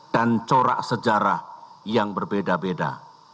dan corak sejarah yang berbeda beda